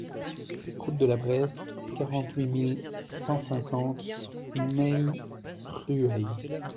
Route de la Brèze, quarante-huit mille cent cinquante Meyrueis